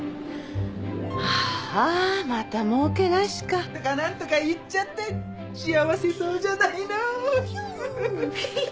ああまた儲けなしか。とかなんとか言っちゃって幸せそうじゃないの。ヒューヒュー！